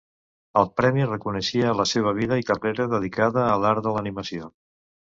El premi reconeixia la seva vida i carrera dedicada a l'art de l'animació.